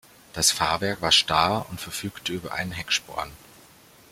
Das Fahrwerk war starr und verfügte über einen Hecksporn.